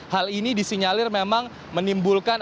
hal ini disinyalir memang menimbulkan